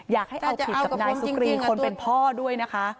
อยากให้เอาผิดกับนายสุกรีคนเป็นพ่อด้วยนะคะ